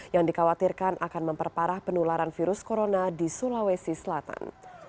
yang dikhawatirkan akan memperparah penularan virus corona di sulawesi selatan